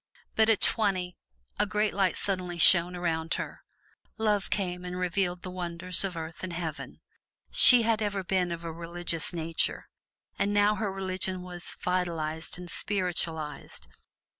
But at twenty, a great light suddenly shone around her. Love came and revealed the wonders of Earth and Heaven. She had ever been of a religious nature, but now her religion was vitalized and spiritualized.